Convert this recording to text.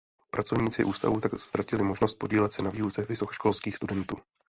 Pracovníci ústavu tak ztratili možnost podílet se na výuce vysokoškolských studentů.